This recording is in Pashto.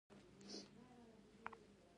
احمده! هم يې سڼکې او هم يې رغوې.